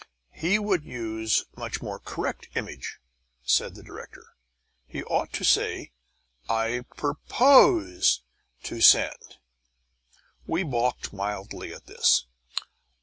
"He would use much more correct language," said the director. "He ought to say 'I purpose to send.'" We balked mildly at this.